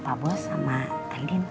pak bos sama teldin